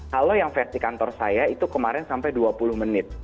kalau yang versi kantor saya itu kemarin sampai dua puluh menit